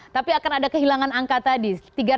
tapi akan ada kehilangan angka tadi